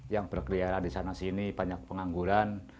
yang berkeliaran disana sini banyak pengangguran